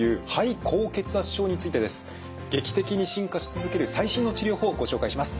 劇的に進化し続ける最新の治療法をご紹介します。